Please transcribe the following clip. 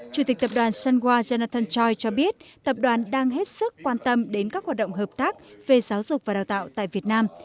chủ tịch tập đoàn sunwa gennathan choi cho biết tập đoàn đang hết sức quan tâm đến các hoạt động hợp tác về giáo dục và đào tạo tại việt nam